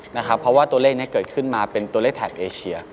เพราะว่าตัวเลขนี้เกิดขึ้นมาเป็นตัวเลขแถบเอเชีย